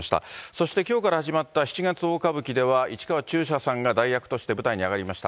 そしてきょうから始まった七月大歌舞伎では、市川中車さんが代役として舞台に上がりました。